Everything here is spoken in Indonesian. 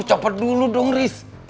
cepat dulu dong riz